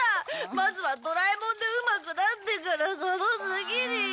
まずはドラえもんでうまくなってからその次に。